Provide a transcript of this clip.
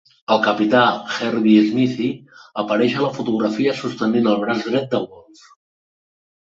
El capità Hervey Smythe apareix a la fotografia sostenint el braç dret de Wolfe.